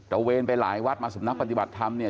ระเวนไปหลายวัดมาสำนักปฏิบัติธรรมเนี่ย